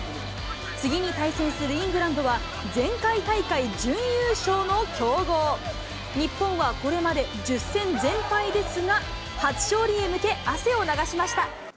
次に対戦するイングランドは、前回大会準優勝の強豪。日本はこれまで１０戦全敗ですが、初勝利へ向け、汗を流しました。